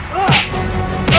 kej aura menurutku